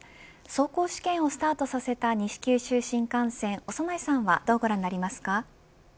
走行試験をスタートさせた西九州新幹線長内さんはどうご覧になりますか。